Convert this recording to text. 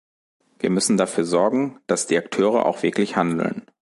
Wir müssen dafür sorgen, dass die Akteure auch wirklich handeln.